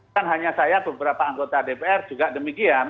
kan hanya saya beberapa anggota dpr juga demikian